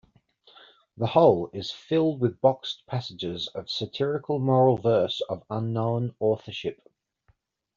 The whole is filled with boxed passages of satirical moral verse of unknown authorship.